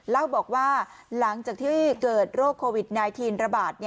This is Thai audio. เล่าบอกว่าหลังจากที่เกิดโรคโควิด๑๙ระบาด